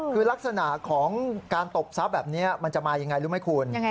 คือลักษณะของการตบทรัพย์แบบนี้มันจะมายังไงรู้ไหมคุณ